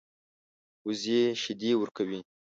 وزې شیدې ورکوي